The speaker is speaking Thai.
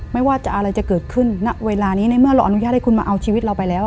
ไม่ว่าอะไรจะเกิดขึ้นณเวลานี้ในเมื่อเราอนุญาตให้คุณมาเอาชีวิตเราไปแล้ว